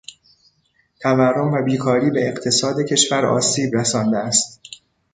تورم و بیکاری به اقتصاد کشور آسیب رسانده است.